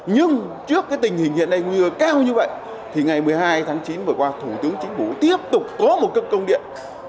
nhưng trước tình hình hiện nay cao như vậy ngày một mươi hai tháng chín vừa qua thủ tướng chính phủ tiếp tục có một công điện